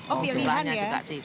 oh pilihan ya